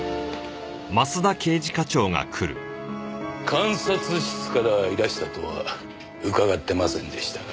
監察室からいらしたとは伺ってませんでしたが。